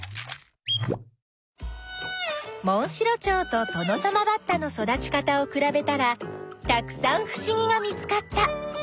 モンシロチョウとトノサマバッタの育ち方をくらべたらたくさんふしぎが見つかった。